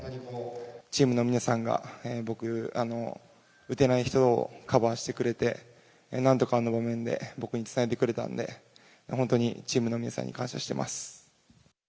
チームの皆さんが、僕、打てない人をカバーしてくれて、何度かの場面で僕につなげてくれたんで、本当にチームの皆さんに感謝してます。